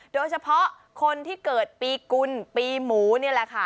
โดยเฉพาะคนที่เกิดปีกุลปีหมูนี่แหละค่ะ